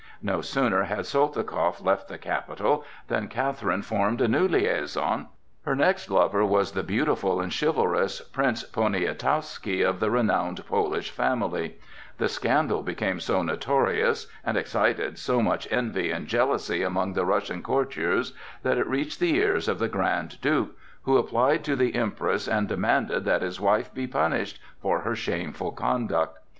No sooner had Soltikoff left the capital than Catherine formed a new liaison. Her next lover was the beautiful and chivalrous Prince Poniatowski, of the renowned Polish family; the scandal became so notorious and excited so much envy and jealousy among the Russian courtiers that it reached the ears of the Grand Duke, who applied to the Empress and demanded that his wife be punished for her shameful conduct.